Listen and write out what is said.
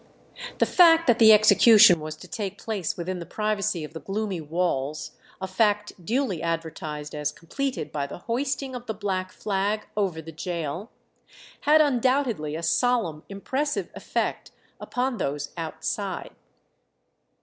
The fact that the execution was to take place within the privacy of the gloomy walls, a fact duly advertised as completed by the hoisting of the black flag over the gaol, had undoubtedly a solemn, impressive effect upon those outside.